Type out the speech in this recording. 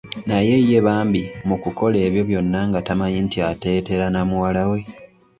Naye ye bambi mu kukola ebyo byonna nga tamanyi nti ateetera namuwalawe.